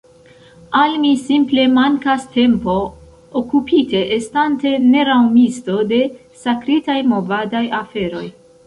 Al mi simple mankas tempo, okupite, estante neraŭmisto, de sakritaj movadaj aferoj.